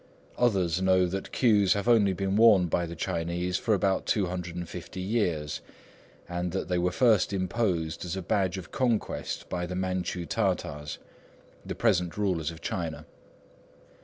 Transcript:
Others know that queues have only been worn by the Chinese for about two hundred and fifty years, and that they were imposed as a badge of conquest by the Manchu Tartars, the present rulers of China.